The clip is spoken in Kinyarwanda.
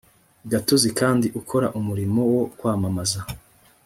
gatozi kandi ukora umurimo wo kwamamaza